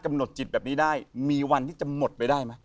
หนดจิตแบบนี้ได้มีวันที่จะหมดไปได้ไหม